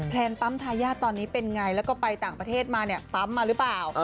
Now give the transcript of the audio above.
ปั๊มทายาทตอนนี้เป็นไงแล้วก็ไปต่างประเทศมาเนี่ยปั๊มมาหรือเปล่า